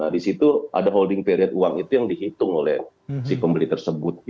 di situ ada holding period uang itu yang dihitung oleh si pembeli tersebut